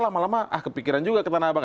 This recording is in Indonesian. lama lama ah kepikiran juga ke tanah abang